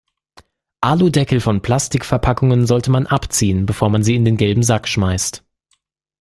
Aludeckel von Plastikverpackungen sollte man abziehen, bevor man sie in den gelben Sack schmeißt.